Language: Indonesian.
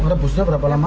rebusnya berapa lama